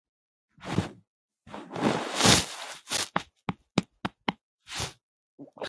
د لويديځ او ختيځ پښتو توپير لري